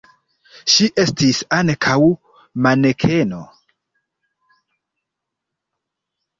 Ŝi estis ankaŭ manekeno.